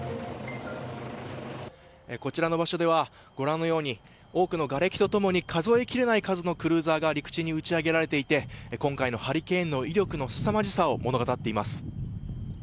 こちらの場所ではご覧のように多くのがれきと共に数えきれない数のクルーザーが陸地に打ち揚げられていて今回のハリケーンの威力のすさまじさを物語っています。